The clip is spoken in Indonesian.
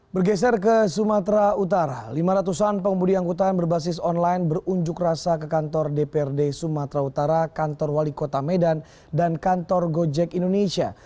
bergeser ke sumatera utara lima ratusan pengemudi angkutan berbasis online berunjuk rasa ke kantor dprd sumatera utara kantor wali kota medan dan kantor gojek indonesia